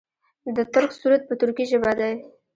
د ترک سرود په ترکۍ ژبه دی.